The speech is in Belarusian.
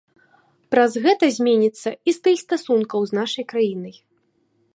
Праз гэта зменіцца і стыль стасункаў з нашай краінай.